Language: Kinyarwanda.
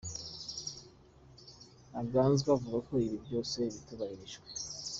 Ntaganzwa avuga ko ibi byose bitubahirijwe.